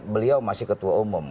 beliau masih ketua umum